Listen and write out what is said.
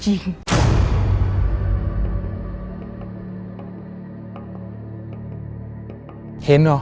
เห็นเหรอ